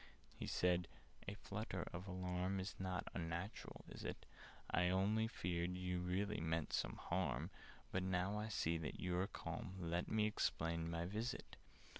He said "A flutter of alarm Is not unnatural, is it? I really feared you meant some harm: But, now I see that you are calm, Let me explain my visit.